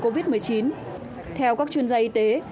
covid một mươi chín theo các chuyên gia y tế